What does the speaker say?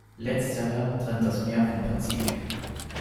Letzterer trennt das Meer vom Pazifik.